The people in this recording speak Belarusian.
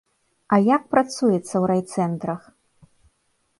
А як працуецца ў райцэнтрах?